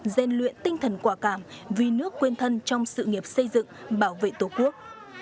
gian luyện tinh thần quả cảm vì nước quên thân trong sự nghiệp xây dựng bảo vệ tổ quốc